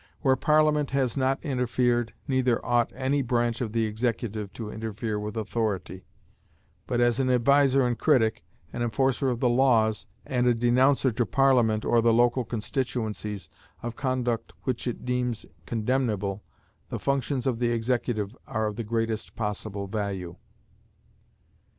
Where Parliament has not interfered, neither ought any branch of the executive to interfere with authority; but as an adviser and critic, an enforcer of the laws, and a denouncer to Parliament or the local constituencies of conduct which it deems condemnable, the functions of the executive are of the greatest possible value.